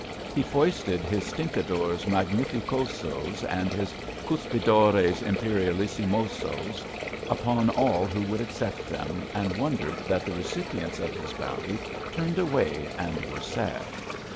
He foisted his Stinkadores Mag nificosas and his Cuspidores Imperiallissimos up on all who would accept them, and wondered that the recipients of his bounty turned away and were sad.